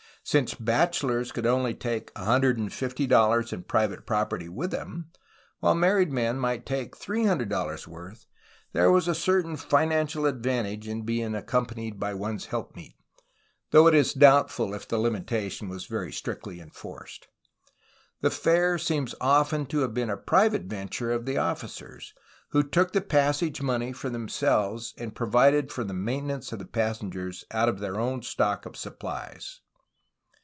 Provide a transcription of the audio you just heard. Since bachelors could only take $150 in private property with them, while married men might take $300 worth, there was a certain financial advan tage in being accompanied by one's helpmeet, — though it is doubtful if the limitation was very strictly enforced. The fare seems often to have been a private venture of the offi cers, who took the passage money for themselves and pro vided for the maintenance of the passenger out of their own stock of supplies.